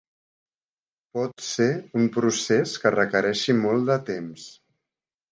Pot ser un procés que requereixi molt de temps.